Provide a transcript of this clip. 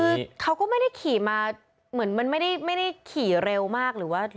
คือเขาก็ไม่ได้ขี่มาเหมือนมันไม่ได้ขี่เร็วมากหรือว่า